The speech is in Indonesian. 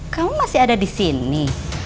kamu masih ada di sini